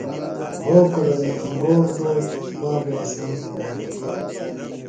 بھوکُرہ وے انگور دو، بابوۡ اسام تھےۡ ٹاکی